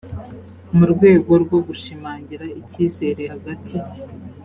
mu rwego rwo gushimangira icyizere hagati